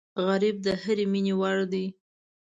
غریب د هرې مینې وړ دی